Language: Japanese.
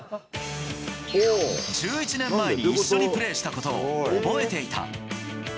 １１年前に一緒にプレーしたことを覚えていた。